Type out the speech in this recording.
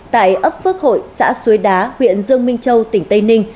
tại ấp phước hội xã suối đá huyện dương minh châu tỉnh tây ninh